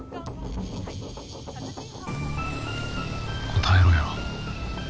答えろよ。